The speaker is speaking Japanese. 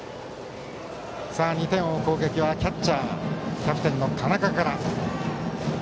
２点を追う攻撃はキャッチャーでキャプテンの田中から。